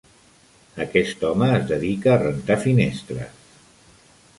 Aquest home es dedica a rentar finestres.